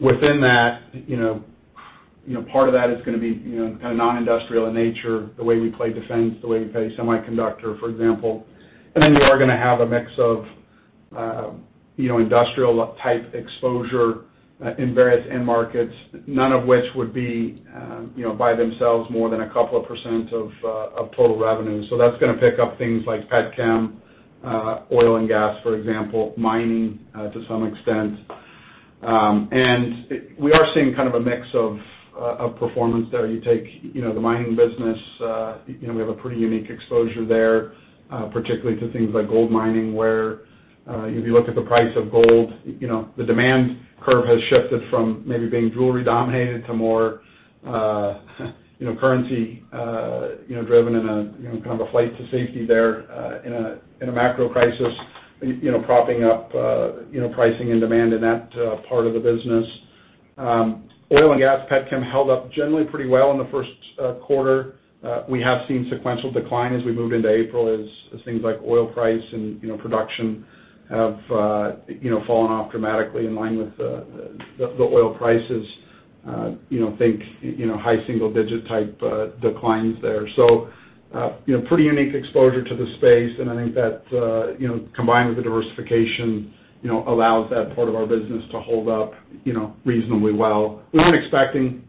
Within that, part of that is going to be kind of non-industrial in nature, the way we play defense, the way we play semiconductor, for example. Then you are going to have a mix of industrial type exposure, in various end markets, none of which would be by themselves more than a couple of % of total revenue. That's going to pick up things like petchem, oil and gas, for example, mining to some extent. We are seeing kind of a mix of performance there. You take the mining business. We have a pretty unique exposure there, particularly to things like gold mining, where, if you look at the price of gold, the demand curve has shifted from maybe being jewelry dominated to more currency driven in a kind of a flight to safety there in a macro crisis, propping up pricing and demand in that part of the business. Oil and gas, petchem held up generally pretty well in the 1st quarter. We have seen sequential decline as we move into April as things like oil price and production have fallen off dramatically in line with the oil prices. Think high single-digit type declines there. Pretty unique exposure to the space, and I think that, combined with the diversification, allows that part of our business to hold up reasonably well. We weren't expecting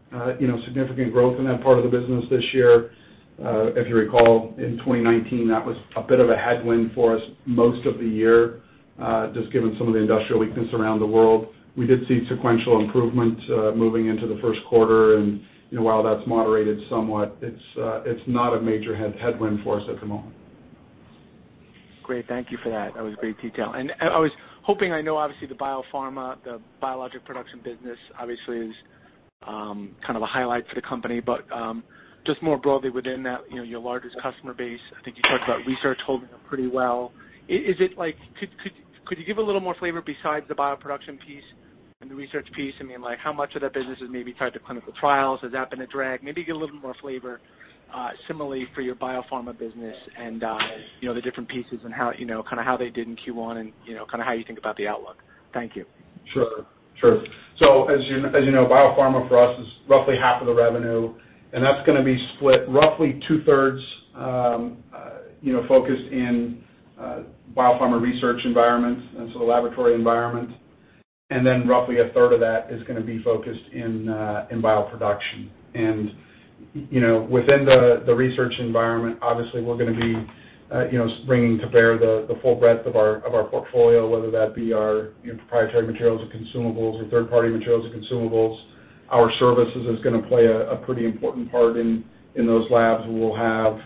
significant growth in that part of the business this year. If you recall, in 2019, that was a bit of a headwind for us most of the year, just given some of the industrial weakness around the world. We did see sequential improvement moving into the first quarter, and while that's moderated somewhat, it's not a major headwind for us at the moment. Great. Thank you for that. That was great detail. I was hoping, I know obviously the biopharma, the biologic production business obviously is kind of a highlight for the company, but just more broadly within that, your largest customer base, I think you talked about research holding up pretty well. Could you give a little more flavor besides the bioproduction piece and the research piece? How much of that business is maybe tied to clinical trials? Has that been a drag? Maybe get a little more flavor similarly for your biopharma business and the different pieces and kind of how they did in Q1 and how you think about the outlook. Thank you. Sure. As you know, biopharma for us is roughly half of the revenue, and that's going to be split roughly 2/3 focused in biopharma research environments, the laboratory environment. Roughly a third of that is going to be focused in bioproduction. Within the research environment, obviously, we're going to be bringing to bear the full breadth of our portfolio, whether that be our proprietary materials or consumables or third-party materials or consumables. Our services is going to play a pretty important part in those labs where we'll have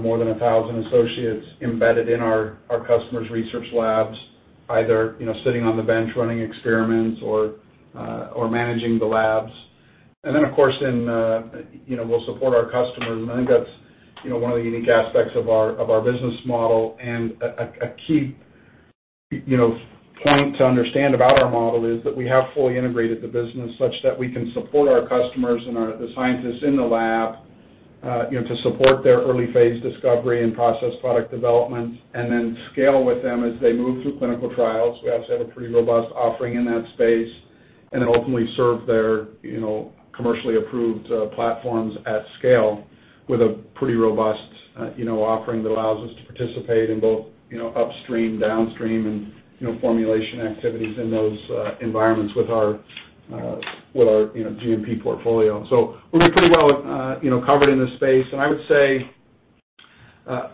more than 1,000 associates embedded in our customers' research labs, either sitting on the bench running experiments or managing the labs. Of course, we'll support our customers, and I think that's one of the unique aspects of our business model and a key point to understand about our model is that we have fully integrated the business such that we can support our customers and the scientists in the lab, to support their early phase discovery and process product development, and then scale with them as they move through clinical trials. We obviously have a pretty robust offering in that space. Ultimately serve their commercially approved platforms at scale with a pretty robust offering that allows us to participate in both upstream, downstream, and formulation activities in those environments with our GMP portfolio. We're pretty well covered in this space. I would say,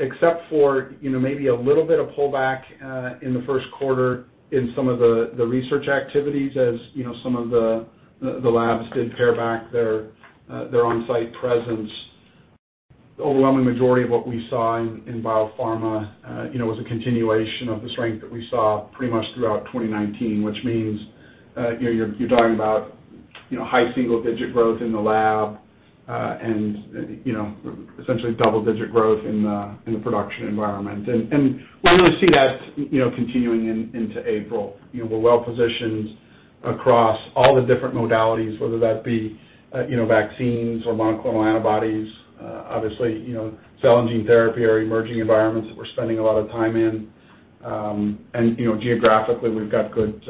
except for maybe a little bit of pullback in the first quarter in some of the research activities, as some of the labs did pare back their on-site presence, the overwhelming majority of what we saw in biopharma was a continuation of the strength that we saw pretty much throughout 2019, which means you're talking about high single-digit growth in the lab, and essentially double-digit growth in the production environment. We really see that continuing into April. We're well positioned across all the different modalities, whether that be vaccines or monoclonal antibodies. Obviously, cell and gene therapy are emerging environments that we're spending a lot of time in. Geographically, we've got good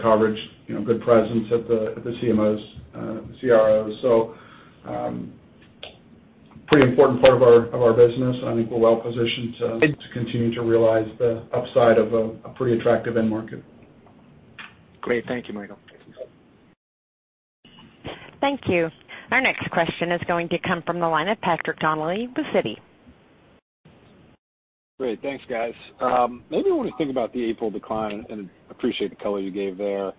coverage, good presence at the CMOs and CROs. Pretty important part of our business, and I think we're well positioned to continue to realize the upside of a pretty attractive end market. Great. Thank you, Michael. Thank you. Our next question is going to come from the line of Patrick Donnelly with Citi. Great. Thanks, guys. Maybe I want to think about the April decline, and appreciate the color you gave there.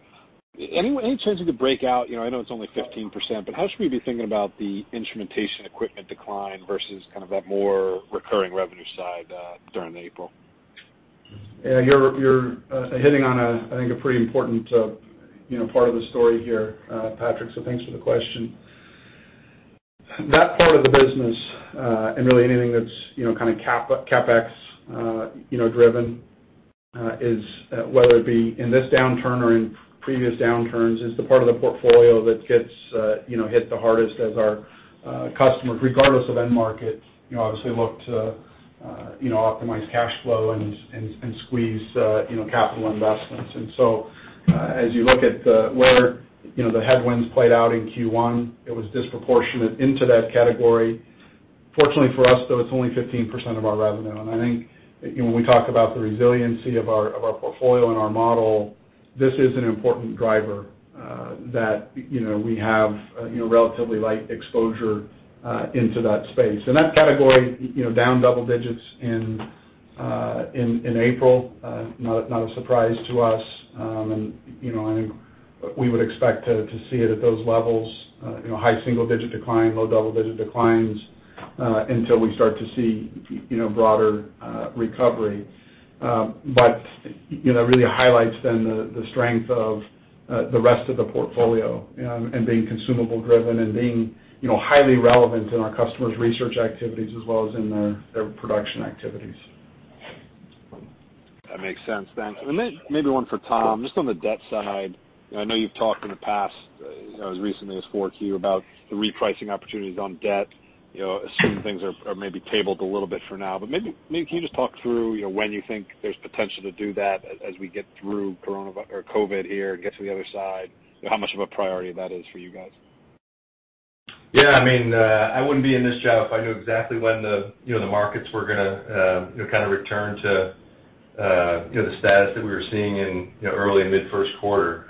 Any chance you could break out, I know it's only 15%, but how should we be thinking about the instrumentation equipment decline versus kind of that more recurring revenue side during April? You're hitting on, I think, a pretty important part of the story here, Patrick, so thanks for the question. That part of the business, and really anything that's kind of CapEx driven, whether it be in this downturn or in previous downturns, is the part of the portfolio that gets hit the hardest as our customers, regardless of end market, obviously look to optimize cash flow and squeeze capital investments. As you look at where the headwinds played out in Q1, it was disproportionate into that category. Fortunately for us, though, it's only 15% of our revenue. I think when we talk about the resiliency of our portfolio and our model, this is an important driver that we have relatively light exposure into that space. That category, down double digits in April, not a surprise to us. I think we would expect to see it at those levels, high single-digit decline, low double-digit declines, until we start to see broader recovery. It really highlights then the strength of the rest of the portfolio and being consumable driven and being highly relevant in our customers' research activities as well as in their production activities. That makes sense then. Then maybe one for Tom, just on the debt side. I know you've talked in the past, as recently as 4Q, about the repricing opportunities on debt. Assume things are maybe tabled a little bit for now. Maybe, can you just talk through when you think there's potential to do that as we get through COVID here and get to the other side, how much of a priority that is for you guys? Yeah, I wouldn't be in this job if I knew exactly when the markets were going to return to the status that we were seeing in early mid first quarter.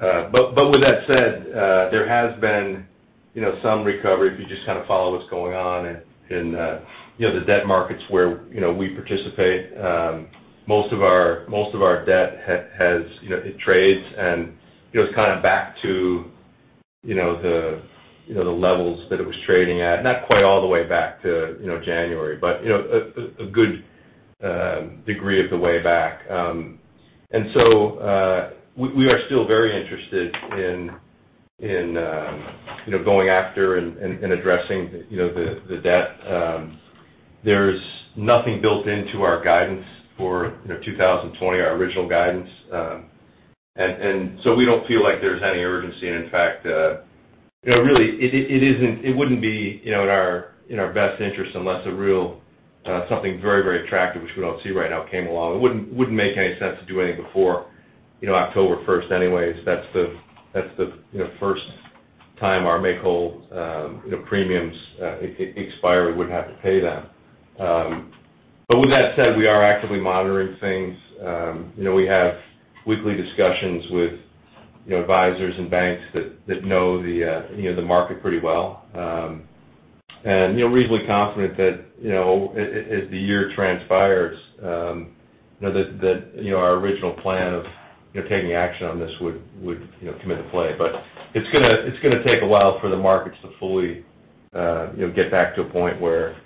With that said, there has been some recovery if you just follow what's going on in the debt markets where we participate. Most of our debt trades and it's back to the levels that it was trading at. Not quite all the way back to January, a good degree of the way back. We are still very interested in going after and addressing the debt. There's nothing built into our guidance for 2020, our original guidance. We don't feel like there's any urgency. In fact, really, it wouldn't be in our best interest unless a real, something very attractive, which we don't see right now, came along. It wouldn't make any sense to do anything before October 1st anyways. That's the first time our make-whole premiums expire. We would have to pay them. With that said, we are actively monitoring things. We have weekly discussions with advisors and banks that know the market pretty well. We're reasonably confident that as the year transpires, that our original plan of taking action on this would come into play. It's going to take a while for the markets to fully get back to a point where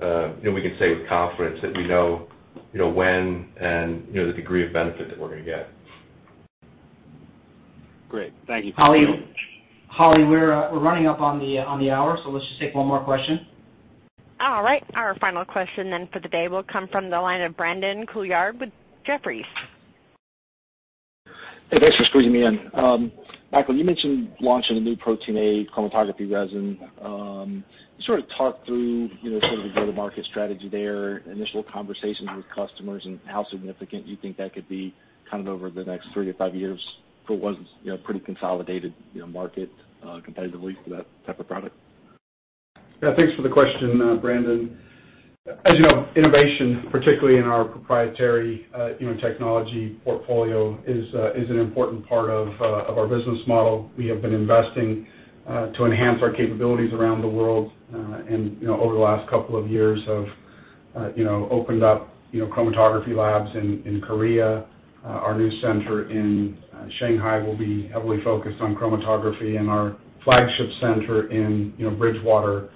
we can say with confidence that we know when and the degree of benefit that we're going to get. Great. Thank you. Holly, we're running up on the hour, so let's just take one more question. All right, our final question then for the day will come from the line of Brandon Couillard with Jefferies. Hey, thanks for squeezing me in. Michael, you mentioned launching a new protein A chromatography resin. Sort of talk through, sort of the go-to-market strategy there, initial conversations with customers, and how significant you think that could be kind of over the next three to five years for what is a pretty consolidated market, competitively, for that type of product. Yeah. Thanks for the question, Brandon. As you know, innovation, particularly in our proprietary technology portfolio, is an important part of our business model. We have been investing to enhance our capabilities around the world, and over the last couple of years have opened up chromatography labs in Korea. Our new center in Shanghai will be heavily focused on chromatography and our flagship center in Bridgewater,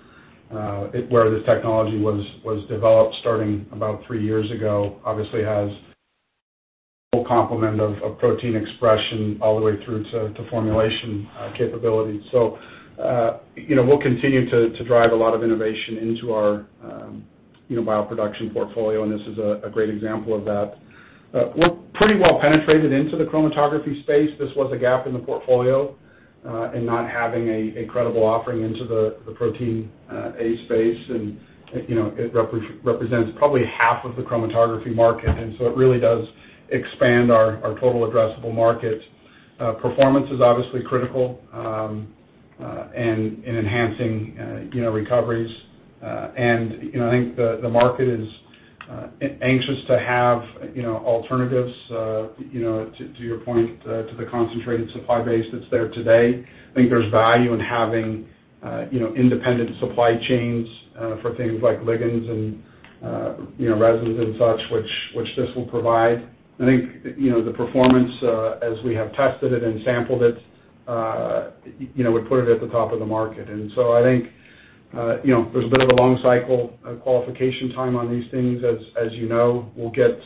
where this technology was developed starting about three years ago, obviously has full complement of protein expression all the way through to formulation capabilities. We'll continue to drive a lot of innovation into our bioproduction portfolio, and this is a great example of that. We're pretty well penetrated into the chromatography space. This was a gap in the portfolio, in not having a credible offering into the protein A space and it represents probably half of the chromatography market, and so it really does expand our total addressable market. Performance is obviously critical, in enhancing recoveries. I think the market is anxious to have alternatives, to your point, to the concentrated supply base that's there today. I think there's value in having independent supply chains for things like ligands and resins and such, which this will provide. I think the performance, as we have tested it and sampled it, would put it at the top of the market. I think there's a bit of a long cycle qualification time on these things, as you know. We'll get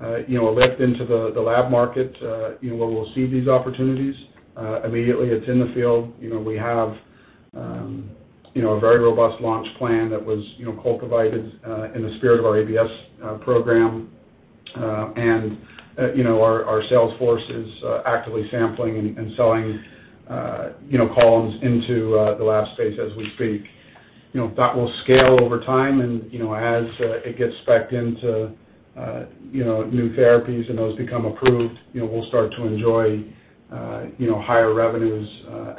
a lift into the lab market where we'll see these opportunities immediately. It's in the field. We have a very robust launch plan that was cultivated in the spirit of our ABS program. Our sales force is actively sampling and selling columns into the lab space as we speak. That will scale over time and as it gets specced into new therapies and those become approved, we'll start to enjoy higher revenues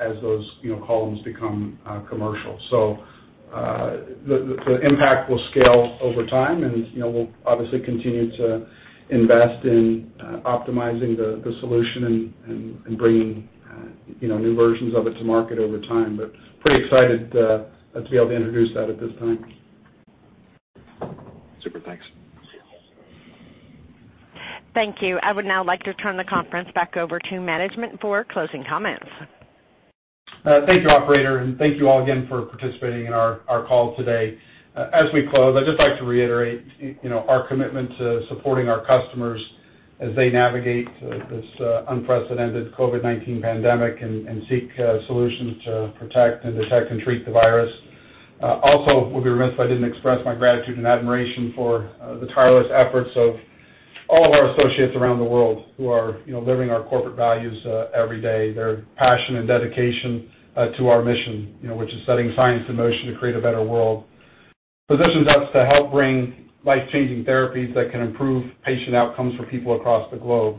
as those columns become commercial. The impact will scale over time and we'll obviously continue to invest in optimizing the solution and bringing new versions of it to market over time, but pretty excited to be able to introduce that at this time. Super. Thanks. Thank you. I would now like to turn the conference back over to management for closing comments. Thank you, operator. Thank you all again for participating in our call today. As we close, I'd just like to reiterate our commitment to supporting our customers as they navigate this unprecedented COVID-19 pandemic and seek solutions to protect and detect and treat the virus. I also would be remiss if I didn't express my gratitude and admiration for the tireless efforts of all of our associates around the world who are living our corporate values every day. Their passion and dedication to our mission, which is setting science in motion to create a better world, positions us to help bring life-changing therapies that can improve patient outcomes for people across the globe.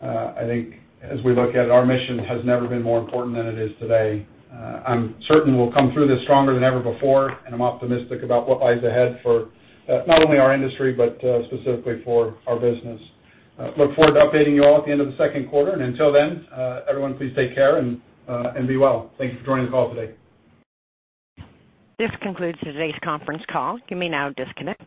I think as we look at it, our mission has never been more important than it is today. I'm certain we'll come through this stronger than ever before, and I'm optimistic about what lies ahead for not only our industry, but specifically for our business. Look forward to updating you all at the end of the second quarter, and until then, everyone please take care and be well. Thank you for joining the call today. This concludes today's conference call. You may now disconnect.